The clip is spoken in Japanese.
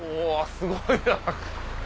すごいな。